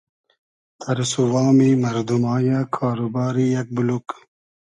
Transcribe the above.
تئرس و وامی مئردوما یۂ کار و باری یئگ بولوگ